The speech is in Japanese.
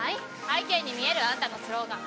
背景に見えるあんたのスローガン。